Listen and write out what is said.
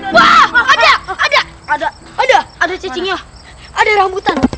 wah ada ada ada cacingnya ada rambutan